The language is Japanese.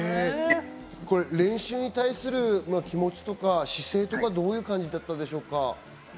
練習に対する気持ちとか、姿勢とか、どういう感じだったんでしょうか？